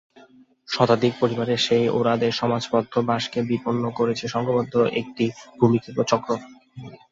শতাধিক পরিবারের সেই ওঁরাওদের সমাজবদ্ধ বাসকে বিপন্ন করেছে সংঘবদ্ধ একটি ভূমিখেকো চক্র।